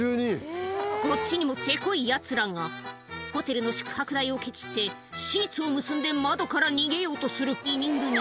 こっちにもセコいヤツらがホテルの宿泊代をけちってシーツを結んで窓から逃げようとする２人組